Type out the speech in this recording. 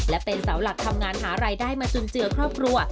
และเป็นเสาหลักทำงานหารายได้มาจุนเจือครอบครัว